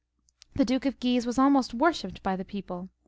The Duke of Guise was almost worshipped by the people.